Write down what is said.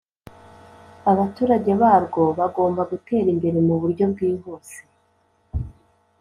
"abaturage barwo bagomba gutera imbere mu buryo bwihuse